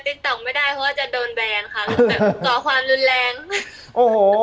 ติ๊กต๊อกไม่ได้เพราะว่าจะโดนแบงค่ะแบบก่อความรุนแรงโอ้โห